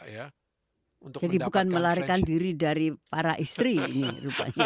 jadi bukan melarikan diri dari para istri ini rupanya